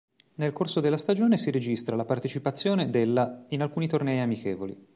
Nel corso della stagione si registra la partecipazione della in alcuni tornei amichevoli.